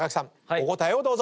お答えをどうぞ。